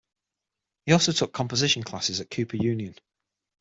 He also took composition classes at Cooper Union.